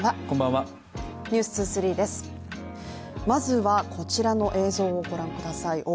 まずは、こちらの映像を御覧ください。